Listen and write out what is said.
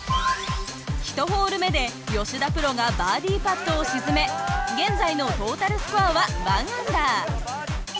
１ホール目で吉田プロがバーディパットを沈め現在のトータルスコアは１アンダー。